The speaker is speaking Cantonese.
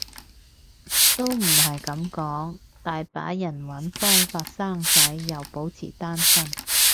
都唔係噉講，大把人搵方法生仔又保持單身